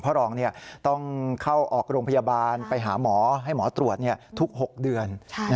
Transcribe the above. เพราะรองต้องเข้าออกโรงพยาบาลไปหาหมอให้หมอตรวจทุก๖เดือน